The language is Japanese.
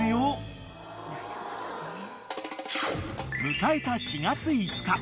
［迎えた４月５日］